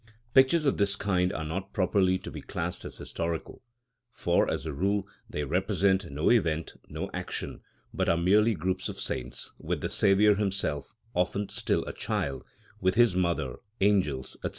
Pictures of this kind are not properly to be classed as historical: for, as a rule, they represent no event, no action; but are merely groups of saints, with the Saviour himself, often still a child, with His mother, angels, &c.